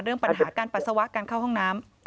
เรื่องปัญหาการปัสสาวะการเข้าห้องน้ำ